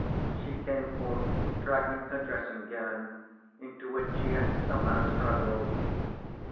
she came forth dragging her dressing gown, into which she had somehow struggled.